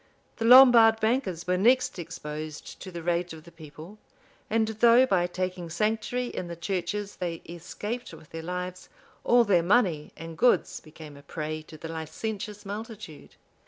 [*] The Lombard bankers were next exposed to the rage of the people; and though, by taking sanctuary in the churches, they escaped with their lives, all their money and goods became a prey to the licentious multitude.